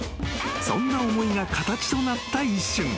そんな思いが形となった一瞬］